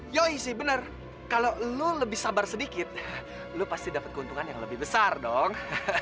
yosi bener kalau lo lebih sabar sedikit lo pasti dapat keuntungan yang lebih besar dong